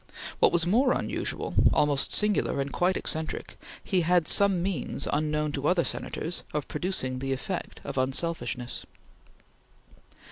What was more unusual almost singular and quite eccentric he had some means, unknown to other Senators, of producing the effect of unselfishness.